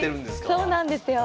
そうなんですよ。